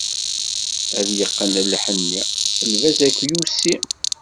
Ad yeqqen lḥenni, lbaz akyusi.